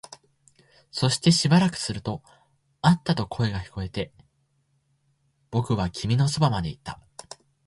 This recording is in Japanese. そしてしばらくすると、あったと声が聞こえて、僕は君のそばまで行った